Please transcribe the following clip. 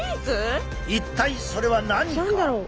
一体それは何か？